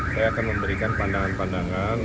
saya akan memberikan pandangan pandangan